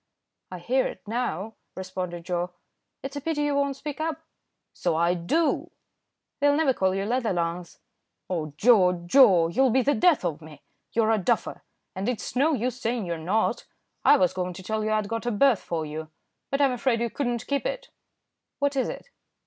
"I hear it now," responded Joe. "It's a pity you won't speak up." "So I do." "They'll never call you leather lungs." "Oh Joe, Joe! you'll be the death of me. You're a duffer, and it is no use saying you're not. I was going to tell you I'd got a berth for you, but I'm afraid you could not keep it." "What is it?"